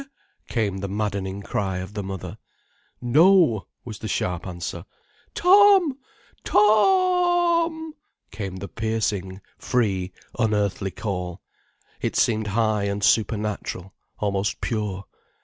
came the maddening cry of the mother. "No," was the sharp answer. "To—om—To—o—om!" came the piercing, free, unearthly call. It seemed high and supernatural, almost pure.